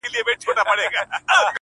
• ښار له مځکي سره سم دی هدیره ده -